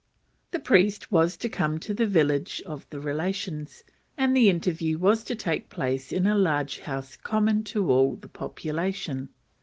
The priest was to come to the village of the relations, and the interview was to take place in a large house common to all the population.